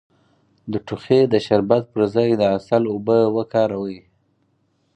د ټوخي د شربت پر ځای د عسل اوبه وکاروئ